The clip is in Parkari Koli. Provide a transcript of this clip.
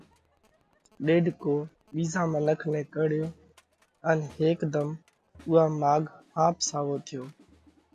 ڏيڏڪو ٻِيزا منک نئہ ڪرڙيو ان هيڪڌم اُوئا ماڳ ۿاپ ساوو ٿيو۔